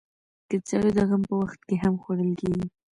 کچالو د غم په وخت هم خوړل کېږي